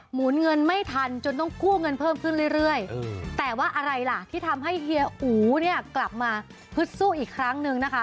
หมุนเงินไม่ทันจนต้องกู้เงินเพิ่มขึ้นเรื่อยแต่ว่าอะไรล่ะที่ทำให้เฮียอูเนี่ยกลับมาฮึดสู้อีกครั้งนึงนะคะ